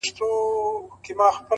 د تورو شپو سپين څراغونه مړه ســول”